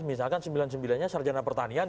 misalkan sembilan sembilanya sarjana pertanian